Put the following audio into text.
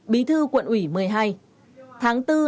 bí thư quận ủy một mươi hai